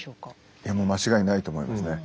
いやもう間違いないと思いますね。